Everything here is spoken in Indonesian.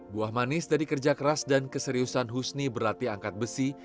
buah manis dari kerja keras dan keseriusan husni berlatih angkat besi